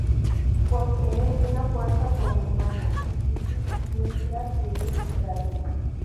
Posee una fuerza sobrehumana y tiene una piel dura que es duradera.